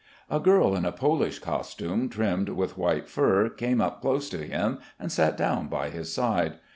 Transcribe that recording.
A girl in a Polish costume trimmed with white fur came up close to him and sat down by his side.